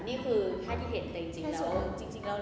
นี่คือภาพที่เห็นแต่จริงแล้ว